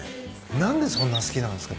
何でそんな好きなんですか？